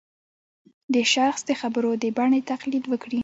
د شخص د خبرو د بڼې تقلید وکړي